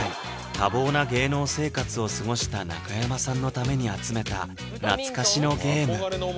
多忙な芸能生活を過ごした中山さんのために集めた懐かしのゲーム